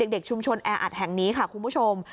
เด็กชุมชนแออัดแห่งนี้ค่ะคุณผู้ชม